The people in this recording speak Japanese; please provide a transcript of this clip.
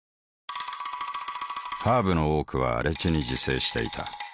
ハーブの多くは荒地に自生していた。